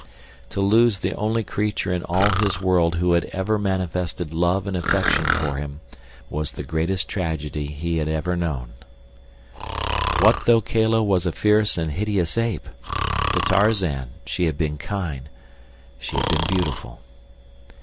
To lose the only creature in all his world who ever had manifested love and affection for him was the greatest tragedy he had ever known. What though Kala was a fierce and hideous ape! To Tarzan she had been kind, she had been beautiful.